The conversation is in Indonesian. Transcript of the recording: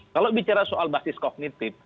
kalau bicara soal basis kognitif